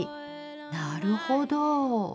なるほど。